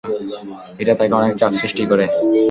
এটা তাকে অনেক চাপ সৃষ্টি করে।